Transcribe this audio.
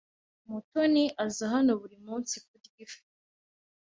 Mutoni aza hano buri munsi kurya ifi.